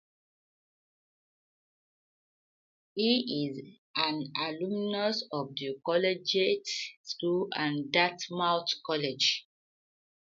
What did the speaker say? He is an alumnus of The Collegiate School and of Dartmouth College.